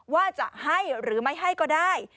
ว่าจะให้หรือไม่ให้ก็ได้